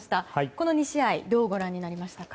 この２試合どうご覧になりましたか？